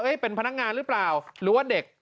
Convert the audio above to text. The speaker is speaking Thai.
เป็นพนักงานหรือเปล่าหรือว่าเด็ก